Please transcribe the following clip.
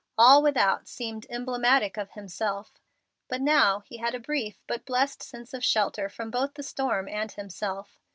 All without seemed emblematic of himself. But now he had a brief but blessed sense of shelter from both the storm and himself.